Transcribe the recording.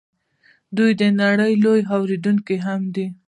دوی د نړۍ لوی واردونکی هم دي.